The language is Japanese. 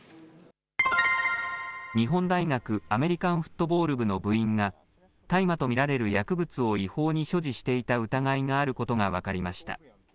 日本大学アメリカンフットボール部の部員が、大麻と見られる薬物を違法に所持していた疑いがあることが分かりました。